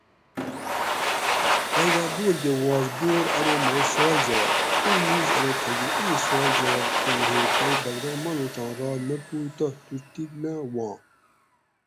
ائ دا بور کہ واست بور ارو ماں سوال جواب؟ ایں میش ارو تھہ کہ ایں سوال جواب تھو ھوں تئ بد بخت مانوڄاں رات نہ پوئ تہ تو ٹیک نہ وواں